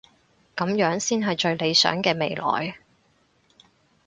噉樣先係最理想嘅未來